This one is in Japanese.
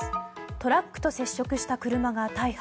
トラックと接触した車が大破。